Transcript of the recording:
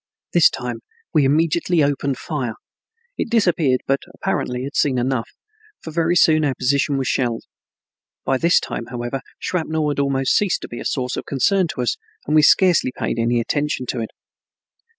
This time we immediately opened fire. It disappeared, but apparently had seen enough, for very soon our position was shelled. By this time, however, shrapnel had almost ceased to be a source of concern to us and we scarcely paid any attention to it.